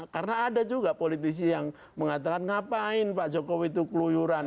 karena ada juga politisi yang mengatakan ngapain pak jokowi itu keluyuran